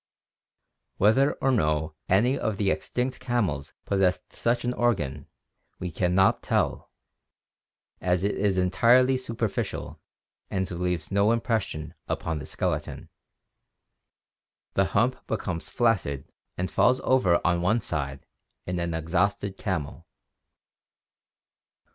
Whether or no any of the extinct camels possessed such an organ we can not tell, as it is entirely superficial and leaves no impression upon the skeleton. The hump becomes flaccid and falls over on one side in an exhausted camel.